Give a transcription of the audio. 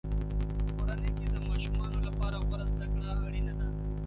په کورنۍ کې د ماشومانو لپاره غوره زده کړه اړینه ده.